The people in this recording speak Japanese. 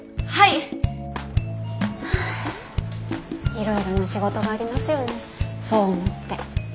いろいろな仕事がありますよね総務って。